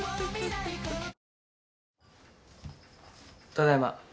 ただいま。